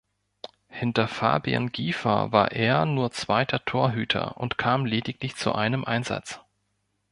Hinter Fabian Giefer war er nur zweiter Torhüter und kam lediglich zu einem Einsatz.